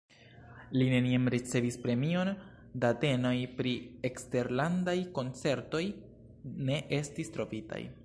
Li neniam ricevis premion, datenoj pri eksterlandaj koncertoj ne estis trovitaj.